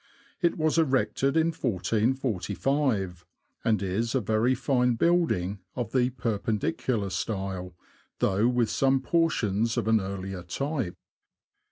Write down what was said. It was erected in 1445, and is a very fine building, of the Perpendicular style, though with some portions of an earlier type.